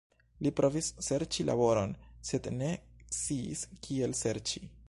Li provis serĉi laboron, sed ne sciis kiel serĉi.